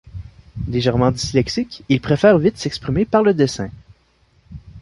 Légèrement dyslexique, il préfère vite s'exprimer par le dessin.